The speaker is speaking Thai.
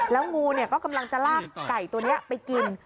แล้วงูก็กำลังจะลากไก่ตัวนี้ไปกิน